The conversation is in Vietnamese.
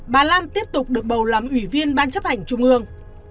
bà lan tiếp tục được bầu làm ủy viên ban chấp hành trung ương